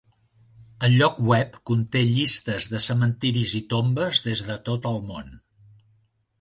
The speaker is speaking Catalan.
El lloc web conté llistes de cementiris i tombes des de tot el món.